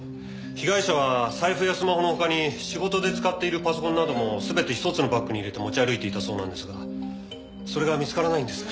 被害者は財布やスマホの他に仕事で使っているパソコンなども全て一つのバッグに入れて持ち歩いていたそうなんですがそれが見つからないんです。